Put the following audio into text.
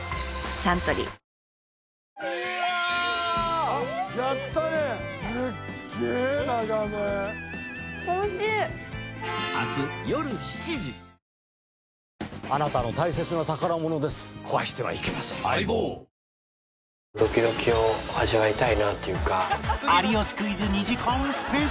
サントリードキドキを味わいたいなっていうか。